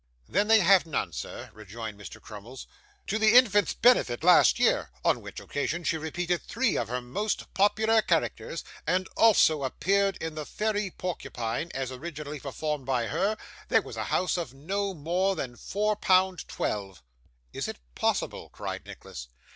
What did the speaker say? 'Then they have none, sir,' rejoined Mr. Crummles. 'To the infant's benefit, last year, on which occasion she repeated three of her most popular characters, and also appeared in the Fairy Porcupine, as originally performed by her, there was a house of no more than four pound twelve.' 'Is it possible?' cried Nicholas.